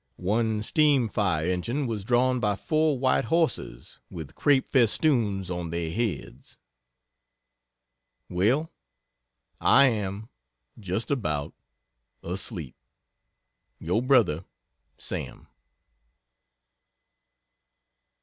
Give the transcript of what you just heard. One steam fire engine was drawn by four white horses, with crape festoons on their heads. Well I am just about asleep Your brother SAM.